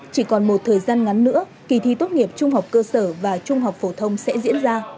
chỉ còn một thời gian ngắn nữa kỳ thi tốt nghiệp trung học cơ sở và trung học phổ thông sẽ diễn ra